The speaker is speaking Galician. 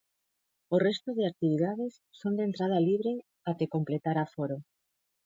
O resto de actividades son de entrada libre até completar aforo.